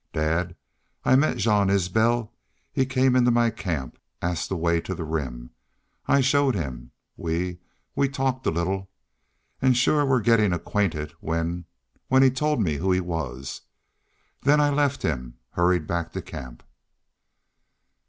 "Dad, I met Jean Isbel. He came into my camp. Asked the way to the Rim. I showed him. We we talked a little. And shore were gettin' acquainted when when he told me who he was. Then I left him hurried back to camp."